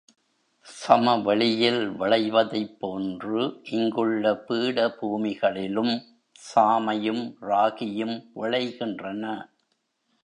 சமவெளியில் விளைவதைப் போன்று இங்குள்ள பீடபூமிகளிலும் சாமையும், ராகியும் விளைகின்றன.